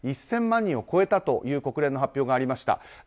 １０００万人を超えたという国連の発表がありました。